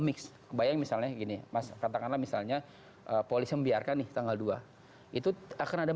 mix bayang misalnya gini mas katakanlah misalnya polisi membiarkan nih tanggal dua itu akan ada